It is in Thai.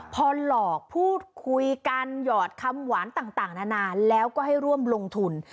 พอหลอกพูดคุยกันหยอดคำหวานต่างนานาแล้วก็ให้ร่วมลงทุน